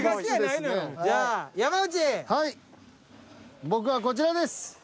じゃあ僕はこちらです。